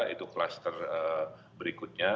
itu klaster berikutnya